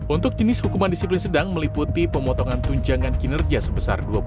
untuk jenis hukuman disiplin sedang meliputi pemotongan tunjangan kinerja sebesar dua puluh lima selama enam bulan